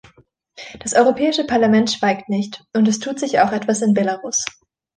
Das Europäische Parlament schweigt nicht, und es tut sich auch etwas in Belarus.